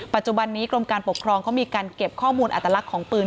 ปัจจุบันนี้กรมการปกครองเขามีการเก็บข้อมูลอัตลักษณ์ของปืน